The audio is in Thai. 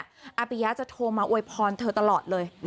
อาปิยะจะโทรมาอวยพรเธอตลอดเลย